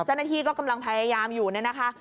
เจ้าหน้าที่ก็กำลังพยายามอยู่เนี่ยนะคะ